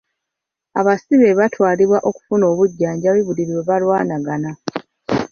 Abasibe baatwalibwa okufuna obujjanjabi buli lwe balwalanga.